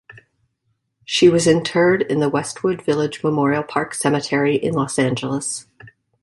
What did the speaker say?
She was interred in the Westwood Village Memorial Park Cemetery in Los Angeles.